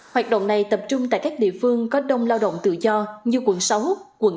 hoạt động này tập trung tại các địa phương có đông lao động tự do như quận sáu quận tám